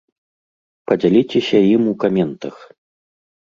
Падзяліцеся ім у каментах!